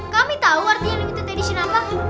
kami tau artinya limited edition apaan